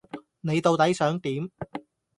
你到底想點？